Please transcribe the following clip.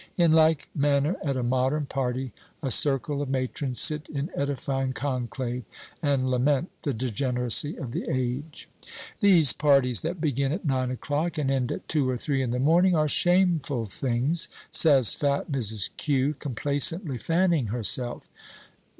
In like manner, at a modern party, a circle of matrons sit in edifying conclave, and lament the degeneracy of the age. "These parties that begin at nine o'clock and end at two or three in the morning are shameful things," says fat Mrs. Q., complacently fanning herself.